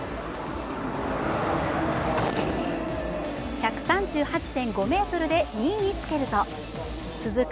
１３８．５ｍで２位につけると続く